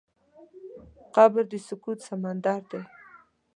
قبر د سکوت سمندر دی.